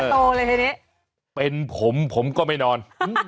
ตาโตเลยครับนี่เป็นผมผมก็ไม่นอน